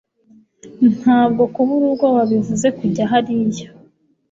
ntabwo kubura ubwoba bivuze kujya hariya